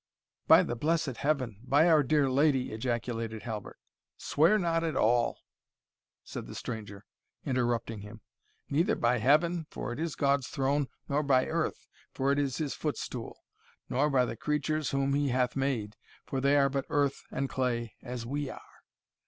"By the blessed Heaven! by our dear Lady!" ejaculated Halbert "Swear not at all!" said the stranger, interrupting him, "neither by Heaven, for it is God's throne, nor by earth, for it is his footstool nor by the creatures whom he hath made, for they are but earth and clay as we are.